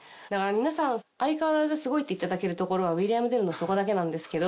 皆さん相変わらずすごいって言っていただけるところは『ウィリアム・テル』のそこだけなんですけど